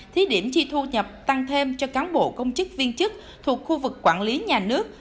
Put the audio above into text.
thí điểm chi thu nhập tăng thêm cho cán bộ công chức viên chức thuộc khu vực quản lý nhà nước